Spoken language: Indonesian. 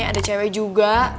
ada cewek juga